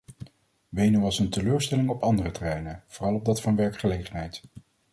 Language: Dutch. Wenen was een teleurstelling op andere terreinen, vooral op dat van de werkgelegenheid.